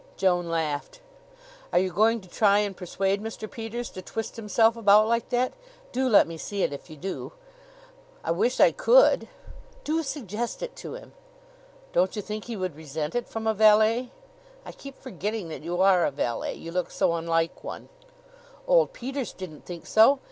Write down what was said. Joan laughed. "Are you going to try and persuade Mr. Peters to twist himself about like that? Do let me see it if you do." "I wish I could." "Do suggest it to him." "Don't you think he would resent it from a valet?" "I keep forgetting that you are a valet. You look so unlike one." "Old Peters didn't think so.